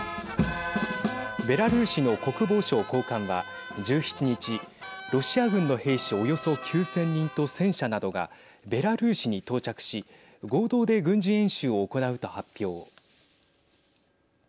ベラルーシの国防省高官は１７日、ロシア軍の兵士およそ９０００人と戦車などがベラルーシに到着し合同で軍事演習を行うと発表。